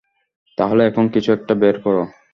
তাহলে, এখন কিছু একটা বের কর।